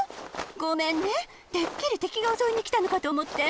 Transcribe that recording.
ごめんねてっきりてきがおそいにきたのかとおもって。